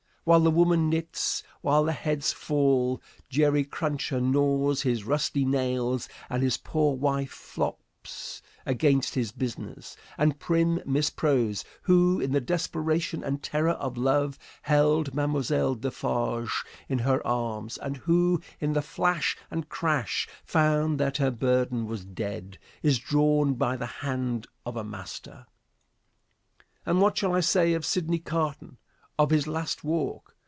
While the woman knits, while the heads fall, Jerry Cruncher gnaws his rusty nails and his poor wife "flops" against his business, and prim Miss Pross, who in the desperation and terror of love held Mme. Defarge in her arms and who in the flash and crash found that her burden was dead, is drawn by the hand of a master. And what shall I say of Sidney Carton? Of his last walk?